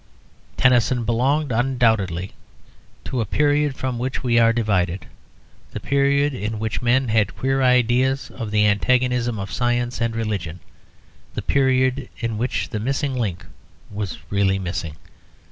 Tennyson belonged undoubtedly to a period from which we are divided; the period in which men had queer ideas of the antagonism of science and religion; the period in which the Missing Link was really missing.